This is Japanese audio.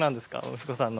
息子さんの。